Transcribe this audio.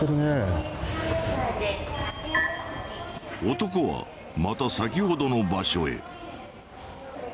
男はまた先ほどの場所へ。